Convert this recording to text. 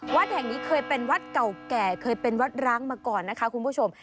วัดแห่งนี้เคยเป็นวัดเก่าแก่เคยเป็นวัดร้างมาก่อนนะคะคุณผู้ชม